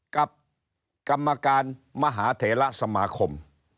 กรรมการมหาเถระสมาคม